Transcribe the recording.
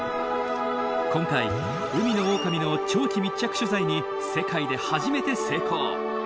今回海のオオカミの長期密着取材に世界で初めて成功！